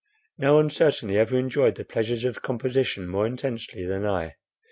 No one certainly ever enjoyed the pleasures of composition more intensely than I.